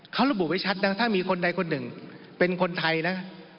เขาระบุไว้ชัดนะถ้ามีคนใดคนหนึ่งเป็นคนไทยนะ